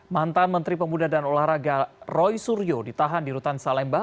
mantan menteri pemuda dan olahraga roy suryo ditahan di rutan salemba